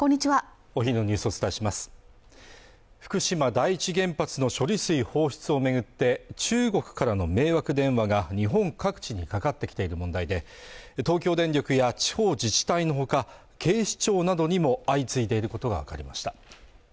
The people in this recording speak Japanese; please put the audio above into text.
お昼のニュースをお伝えします福島第一原発の処理水放出を巡って中国からの迷惑電話が日本各地にかかってきている問題で東京電力や地方自治体のほか警視庁などにも相次いでいることが分かりました